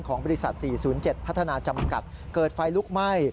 บริษัท๔๐๗พัฒนาจำกัดเกิดไฟลุกไหม้